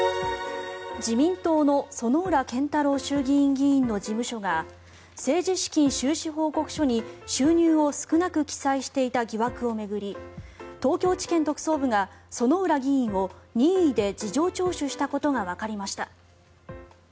自民党の薗浦健太郎衆議院議員の事務所が政治資金収支報告書に収入を少なく記載していた疑惑を巡り東京地検特捜部が薗浦議員を任意で事情聴取したことがわかりました。